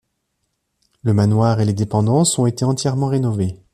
Le manoir et les dépendances ont été entièrement rénovées.